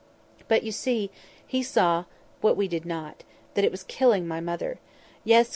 "But, you see, he saw what we did not—that it was killing my mother. Yes!